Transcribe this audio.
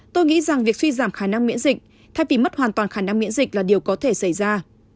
tôi nghĩ rằng việc suy giảm khả năng miễn dịch thay vì mất hoàn toàn khả năng miễn dịch là điều có thể xảy ra